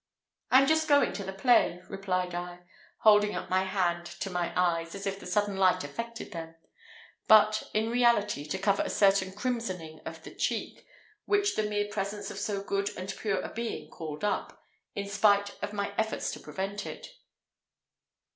"I am just going to the play," replied I, holding up my hand to my eyes, as if the sudden light affected them, but, in reality, to cover a certain crimsoning of the cheek, which the mere presence of so good and pure a being called up, in spite of my efforts to prevent it.